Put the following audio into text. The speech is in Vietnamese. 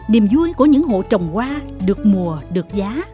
niềm vui của những hộ trồng hoa được mùa được giá